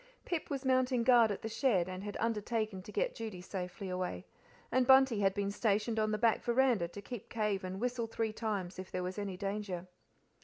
Pip was mounting guard at the shed, and had undertaken to get Judy safely away, and Bunty had been stationed on the back veranda to keep cave and whistle three times if there was any danger.